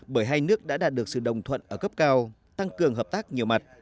bởi hai nước đã đạt được sự đồng thuận ở cấp cao tăng cường hợp tác nhiều mặt